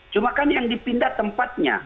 cuma kan yang dipindah tempatnya